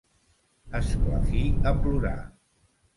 Esclafir a plorar.